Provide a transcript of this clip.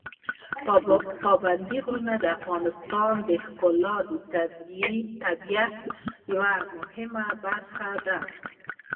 پابندي غرونه د افغانستان د ښکلي طبیعت یوه مهمه برخه ده.